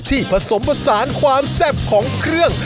ผสมผสานความแซ่บของเครื่อง